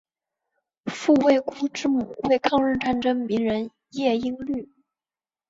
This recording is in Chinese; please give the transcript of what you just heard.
傅慰孤之母为抗日战争名人叶因绿。